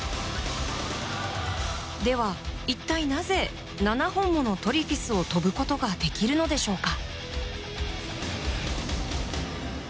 では、一体なぜ７本ものトリフィスを跳ぶことができるのでしょうか？